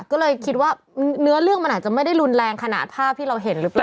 ก็เลยคิดว่าเนื้อเรื่องมันอาจจะไม่ได้รุนแรงขนาดภาพที่เราเห็นหรือเปล่า